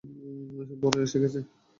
বর এসে গেছে!